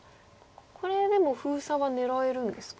これでも封鎖は狙えるんですか？